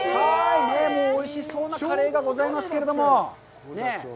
おいしそうなカレーがございますけれども。